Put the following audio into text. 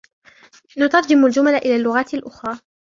نترجم الجمل إلى اللغات الأخرى.